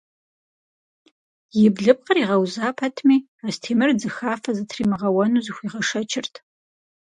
И блыпкъыр игъэуза пэтми, Астемыр дзыхафэ зытримыгъэуэну зыхуигъэшэчырт.